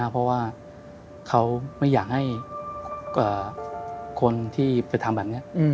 เพราะว่าเขาไม่อยากให้คนที่ไปทำแบบนี้